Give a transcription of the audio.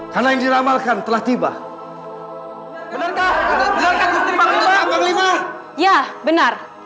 karena yang diramalkan telah tiba